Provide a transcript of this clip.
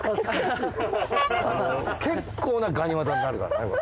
結構なガニ股になるからねこれ。